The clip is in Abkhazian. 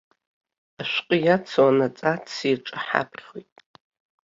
Ашәҟәы иацу аннотациаҿы ҳаԥхьоит.